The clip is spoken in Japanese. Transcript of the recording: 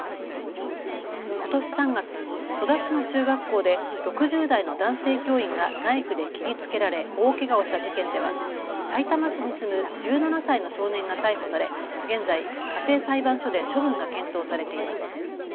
ことし３月、戸田市の中学校で６０代の男性教員がナイフで切りつけられ大けがをした事件ではさいたま市に住む１７歳の少年が逮捕され現在、家庭裁判所で処分が検討されています。